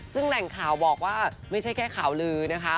ซึ่งแหล่งข่าวบอกว่าไม่ใช่แค่ข่าวลือนะคะ